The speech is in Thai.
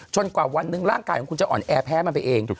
กว่าวันหนึ่งร่างกายของคุณจะอ่อนแอแพ้มันไปเอง